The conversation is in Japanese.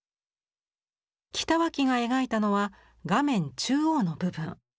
北脇が描いたのは画面中央の部分。